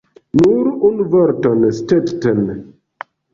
Nur unu vorton, Stetten!